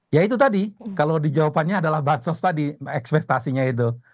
ya itu tadi kalau di jawabannya adalah bansos tadi ekspektasinya itu